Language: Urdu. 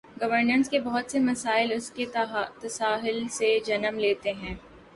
گورننس کے بہت سے مسائل اس تساہل سے جنم لیتے ہیں۔